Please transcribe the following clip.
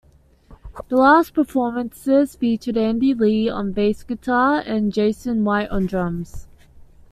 The last performances featured Andi Lee on bass guitar and Jasen Whyte on drums.